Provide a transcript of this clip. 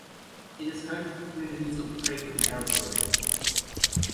It is home to the communities of Craik and Aylesbury.